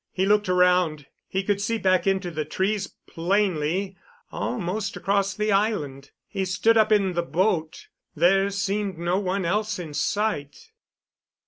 He looked around. He could see back into the trees plainly, almost across the island. He stood up in the boat. There seemed no one else in sight.